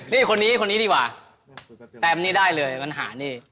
นี่คนนี้คนนี้ดีกว่าเต็มนี้ได้เลยปัญหานี่